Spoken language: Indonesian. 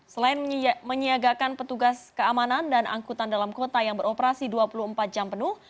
selain menyiagakan petugas keamanan dan angkutan dalam kota yang beroperasi dua puluh empat jam penuh